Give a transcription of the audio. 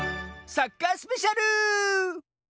サッカースペシャル！